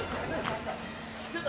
・ちょっと！